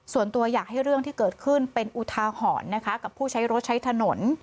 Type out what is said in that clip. ส่วนตัวอยากให้เรื่องที่เกิดขึ้นเป็นอุทาหรณ์นะคะกับผู้ใช้รถใช้ถนน